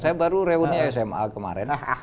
saya baru reuni sma kemarin